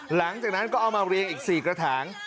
หลังจากนั้นก็เอามาเรียงอีก๔กระถาง